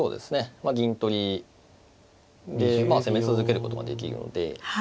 まあ銀取りで攻め続けることができるので。